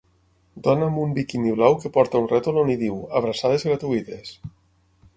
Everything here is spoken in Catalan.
Dona amb un biquini blau que porta un rètol on hi diu: abraçades gratuïtes.